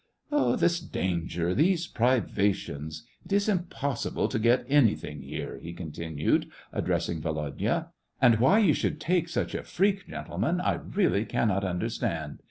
"This danger, these privations, it is impossible to get anything here,*' he continued, addressing Volodya. " And why you should take such a freak, gentlemen, I really cannot understand.